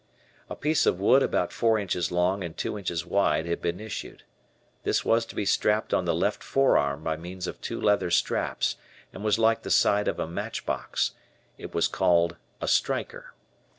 A piece of wood about four inches long and two inches wide had been issued. This was to be strapped on the left forearm by means of two leather straps and was like the side of a match box; it was called a "striker."